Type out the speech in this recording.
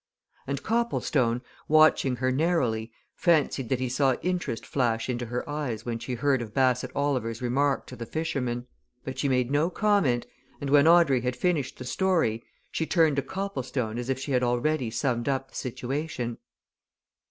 And Copplestone, watching her narrowly, fancied that he saw interest flash into her eyes when she heard of Bassett Oliver's remark to the fisherman. But she made no comment, and when Audrey had finished the story, she turned to Copplestone as if she had already summed up the situation.